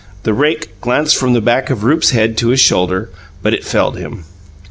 The rake glanced from the back of Rupe's head to his shoulder, but it felled him.